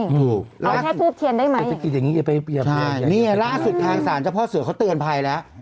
เอาแค่พูดเทียนได้ไหมอย่างนี้ใช่เนี่ยล่าสุดทางสารเจ้าพ่อเสือเขาเตือนภัยแล้ว